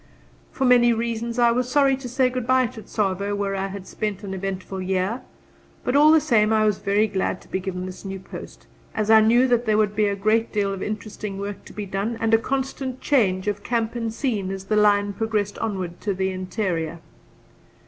For many reasons I was sorry to say good bye to Tsavo, where I had spent an eventful year; but all the same I was very glad to be given this new post, as I knew that there would be a great deal of interesting work to be done and a constant change of camp and scene, as the line progressed onward to the interior.